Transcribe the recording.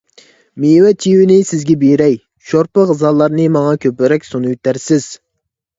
مېۋە - چېۋىنى سىزگە بېرەي، شورپا - غىزالارنى ماڭا كۆپرەك سۇنۇۋېتەرسىز.